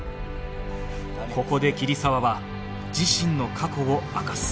ここで桐沢は自身の過去を明かす